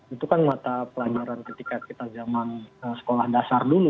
itu kan mata pelajaran ketika kita zaman sekolah dasar dulu